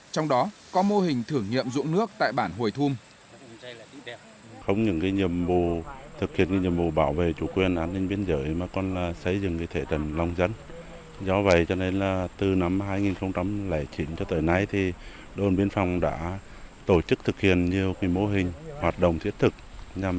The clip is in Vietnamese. trong đó có mô hình thử nghiệm dụng nước tại bản hồi thum